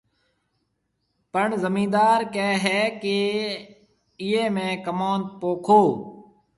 پڻ زميندار ڪهيَ هيَ ڪيَ ايئي ۾ ڪموُند پوکو۔